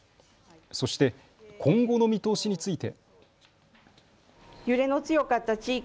そして今後の見通しについて。